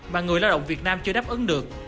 mà người lao động việt nam chưa đáp ứng được